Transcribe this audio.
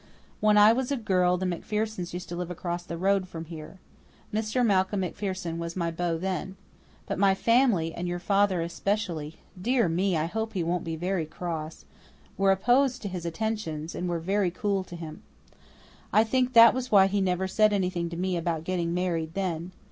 "When I was a girl the MacPhersons used to live across the road from here. Mr. Malcolm MacPherson was my beau then. But my family and your father especially dear me, I do hope he won't be very cross were opposed to his attentions and were very cool to him. I think that was why he never said anything to me about getting married then.